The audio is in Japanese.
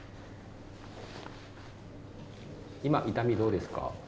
今痛みどうですか？